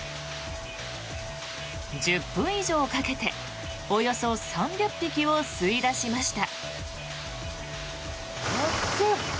１０分以上かけておよそ３００匹を吸い出しました。